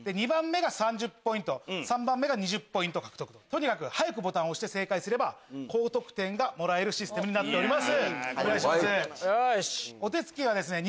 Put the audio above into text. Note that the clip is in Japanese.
とにかく早くボタンを押して正解すれば高得点がもらえるシステムになっております。